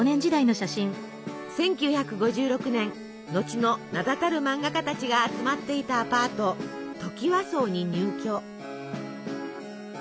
１９５６年後の名だたる漫画家たちが集まっていたアパート「トキワ荘」に入居。